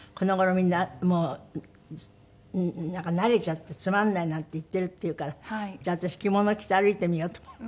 みんなもうなんか慣れちゃってつまんないなんて言っているっていうからじゃあ私着物着て歩いてみようと思って。